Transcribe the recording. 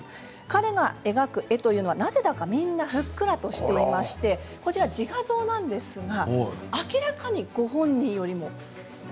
彼が描く絵はなぜかみんなふっくらしていまして自画像なんですが明らかにご本人よりも。